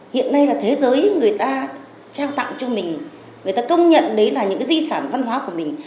hiện nay là thế giới người ta trao tặng cho mình người ta công nhận đấy là những di sản văn hóa của mình